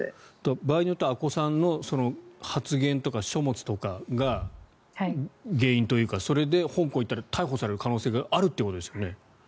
場合によっては阿古さんの発言とか書物とかが原因というかそれで香港に行ったら逮捕される可能性があるということですよね。